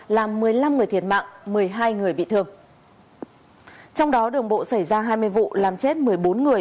làm một mươi năm người thiệt mạng một mươi hai người bị thương trong đó đường bộ xảy ra hai mươi vụ làm chết một mươi bốn người